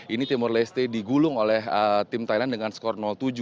ini timor leste digulung oleh tim thailand dengan skor tujuh